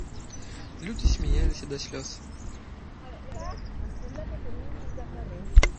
Людзі смяяліся да слёз.